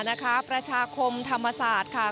ประชาคมธรรมศาสตร์ค่ะ